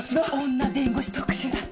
女弁護士特集だって。